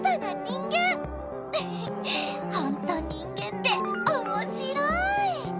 フフッほんと人間っておもしろい！